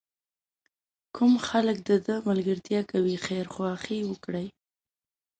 کوم خلک د ده ملګرتیا کوي خیرخواهي وکړي.